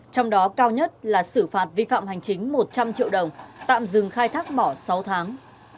trong đó cao nhất là xử phạt vi phạm hành chính một trăm linh triệu đồng tạm dừng khai thác mỏ sáu tháng